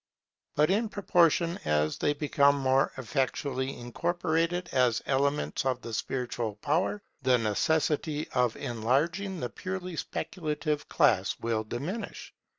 But in proportion as they become more effectually incorporated as elements of the spiritual power, the necessity of enlarging the purely speculative class will diminish.